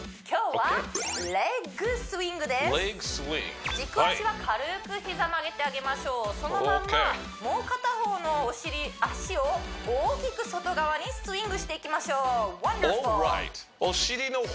今日は軸足は軽く膝曲げてあげましょうそのまんまもう片方のお尻足を大きく外側にスウィングしていきましょうＷｏｎｄｅｒｆｕｌ！